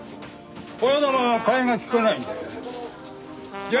親玉は代えが利かないんだよ。